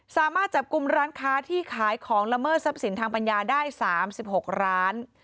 สามารถจับกลุ่มร้านค้าที่ขายของละเมิดทรัพย์สินทางปัญญาได้๓๖ร้าน